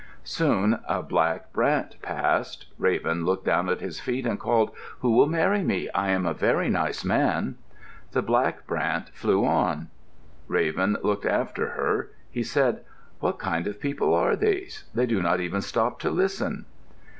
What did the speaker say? Soon a black brant passed. Raven looked down at his feet and called, "Who will marry me? I am a very nice man." The black brant flew on. Raven looked after her. He said, "What kind of people are these? They do not even stop to listen."